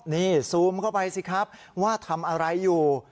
นี่ซูมเข้าไปสิครับว่าทำอะไรอยู่